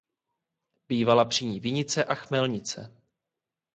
Bývala při ní vinice a chmelnice.